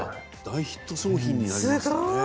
大ヒット商品になりましたね。